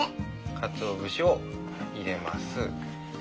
かつお節を入れます。